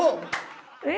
えっ？